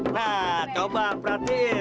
nah coba perhatiin